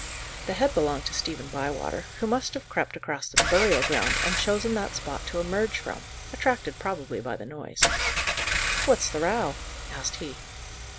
The head belonged to Stephen Bywater, who must have crept across the burial ground and chosen that spot to emerge from, attracted probably by the noise. "What's the row?" asked he.